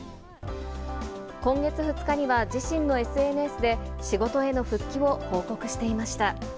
今月２日には、自身のＳＮＳで仕事への復帰を報告していました。